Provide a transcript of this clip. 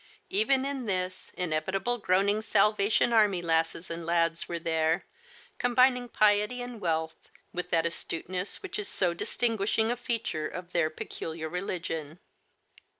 Even in this inevitable groaning Salvation Army lasses and Digitized by Google HELEN MATHERS, 5 lads were there, combining piety and wealth with that astuteness which is so distinguishinga feature of their peculiar reh'gion.